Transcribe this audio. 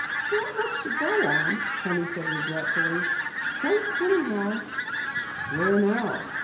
"Not much to go on," Penny said regretfully. "Thanks anyhow." "Where now?"